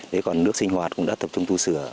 thế còn nước sinh hoạt cũng đã tập trung tu sửa